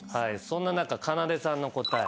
そんな中かなでさんの答え。